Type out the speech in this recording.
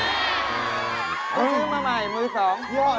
เอาชื่อมาใหม่มือสองพี่โฮะ